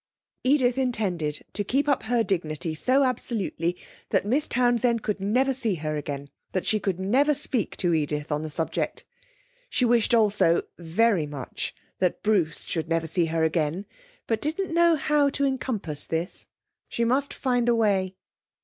Edith intended to keep up her dignity so absolutely that Miss Townsend could never see her again, that she could never speak to Edith on the subject. She wished also, very much, that Bruce should never see her again, but didn't know how to encompass this. She must find a way.